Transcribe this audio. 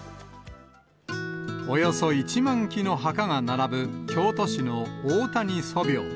およそ１万基の墓が並ぶ、京都市の大谷祖廟。